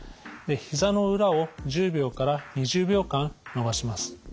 ひざの裏を１０秒から２０秒間伸ばします。